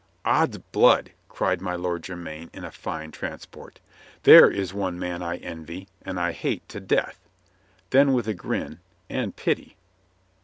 "Ods blood!" cried my Lord Jermyn in a fine transport, "there is one man I envy and I hate to death." Then with a grin : "And pity."